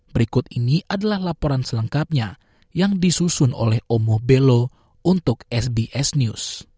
berikut ini adalah laporan selengkapnya yang disusun oleh omobelo untuk sbs news